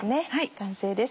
完成です。